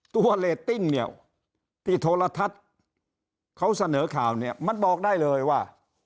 ตัวเรทติ้งที่โทรทัศน์เขาเสนอข่าวมันบอกได้เลยว่า